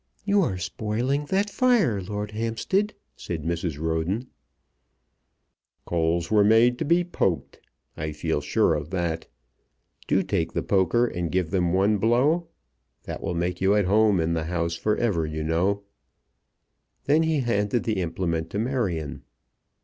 "You are spoiling that fire, Lord Hampstead," said Mrs. Roden. "Coals were made to be poked. I feel sure of that. Do take the poker and give them one blow. That will make you at home in the house for ever, you know." Then he handed the implement to Marion.